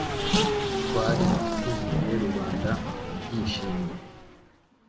twari tuguye rubanda ryishimye